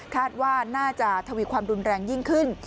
คาดว่าน่าจะทวีความรุนแรงยิ่งขึ้น